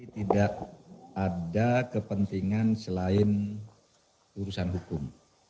tidak ada kepentingan selain urusan hukum